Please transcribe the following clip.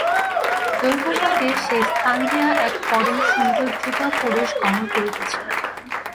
দৈবযোগে সেই স্থান দিয়া এক পরম সুন্দর যুবা পুরুষ গমন করিতেছিল।